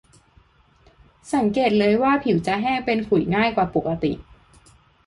สังเกตเลยว่าผิวจะแห้งเป็นขุยง่ายกว่าปกติ